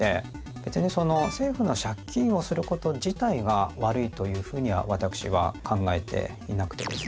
別に政府の借金をすること自体が悪いというふうには私は考えていなくてですね